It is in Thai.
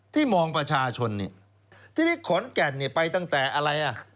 ที่มองประชาชนที่นี่ขนแก่นไปตั้งแต่อะไร